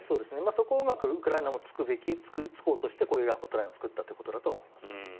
そこもうまくウクライナも突こうとしてこういうホットラインを作ったということだと思いますね。